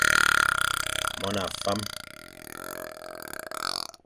Mon a fam.